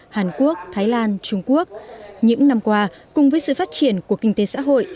hàn quốc thái lan trung quốc những năm qua cùng với sự phát triển của kinh tế xã hội